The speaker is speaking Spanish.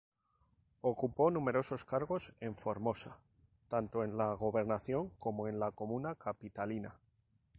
Ocupó numerosos cargos en Formosa, tanto en la Gobernación como en la Comuna capitalina.